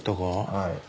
はい。